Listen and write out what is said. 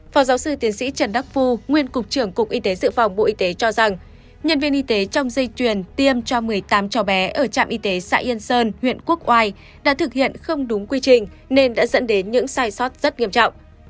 phó giáo sư tiến sĩ trần đắc phu nguyên cục trưởng cục y tế dự phòng bộ y tế cho rằng nhân viên y tế trong dây truyền tiêm cho một mươi tám cháu bé ở trạm y tế xã yên sơn huyện quốc oai đã thực hiện không đúng quy trình nên đã dẫn đến những sai sót rất nghiêm trọng